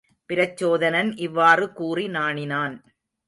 பிரச்சோதனன் இவ்வாறு கூறி நாணினான்.